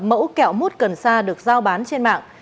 mẫu kẹo mút cần sa được giao bán trên mạng